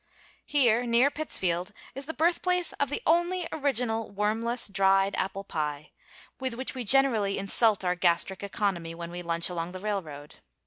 Here, near Pittsfield, is the birthplace of the only original wormless dried apple pie, with which we generally insult our gastric economy when we lunch along the railroad.